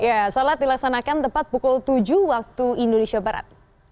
ya sholat dilaksanakan tepat pukul tujuh waktu indonesia barat